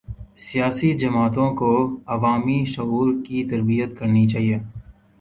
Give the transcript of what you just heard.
سیاسی جماعتوں کو عوامی شعور کی تربیت کرنی چاہیے۔